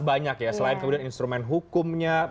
banyak ya selain kemudian instrumen hukumnya